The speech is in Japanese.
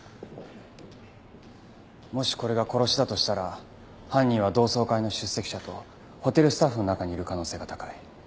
もしこれが殺しだとしたら犯人は同窓会の出席者とホテルスタッフの中にいる可能性が高い。